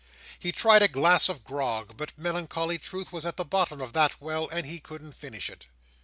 He tried a glass of grog; but melancholy truth was at the bottom of that well, and he couldn't finish it.